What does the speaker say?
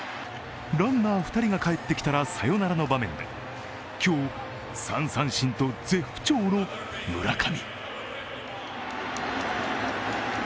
ランナー２人が帰ってきたらサヨナラの場面で今日、３三振と絶不調の村上。